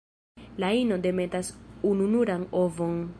La ino demetas ununuran ovon.